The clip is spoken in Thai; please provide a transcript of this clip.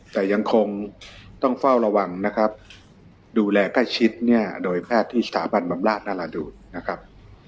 แต่ยังคงต้องเฝ้าระวังนะครับดูแลใกล้ชิดเนี่ยโดยแพทย์ที่สถาบันบำราชนาราดูนนะครับ